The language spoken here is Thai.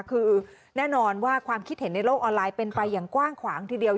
คือแน่นอนว่าความคิดเห็นในโลกออนไลน์เป็นไปอย่างกว้างขวางทีเดียว